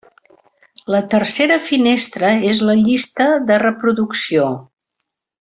La tercera finestra és la llista de reproducció.